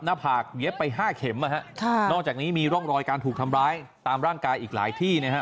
ผากเย็บไปห้าเข็มนะฮะค่ะนอกจากนี้มีร่องรอยการถูกทำร้ายตามร่างกายอีกหลายที่นะฮะ